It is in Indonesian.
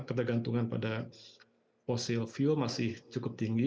ketergantungan pada fosil fuel masih cukup tinggi